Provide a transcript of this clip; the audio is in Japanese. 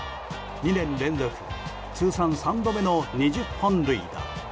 ２年連続通算３度目の２０本塁打。